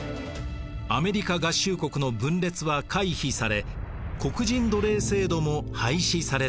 アメリカ合衆国の分裂は回避され黒人奴隷制度も廃止されたのです。